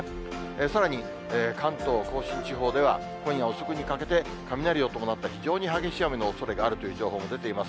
さらに、関東甲信地方では、今夜遅くにかけて、雷を伴った非常に激しい雨のおそれがあるという情報も出ています。